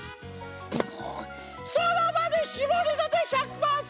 そのばでしぼりたて１００％